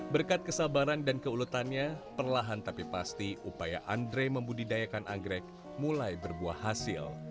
berkat kesabaran dan keuletannya perlahan tapi pasti upaya andre membudidayakan anggrek mulai berbuah hasil